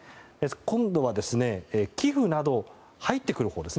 今度は、寄付など入ってくるほう。